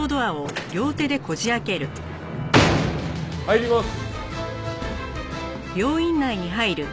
入ります。